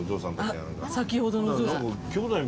あっ先ほどのお嬢さん。